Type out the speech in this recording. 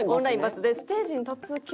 ステージに立つ系？